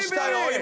今。